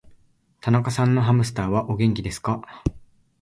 田中さんのハムスターは、お元気ですか。